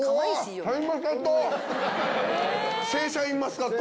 正社員マスカット。